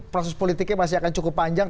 proses politiknya masih akan cukup panjang